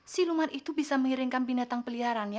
si luman itu bisa mengiringkan binatang peliharannya